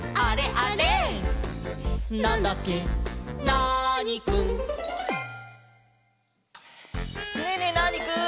ナーニくん」ねえねえナーニくん。